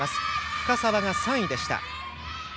深沢が３位でした。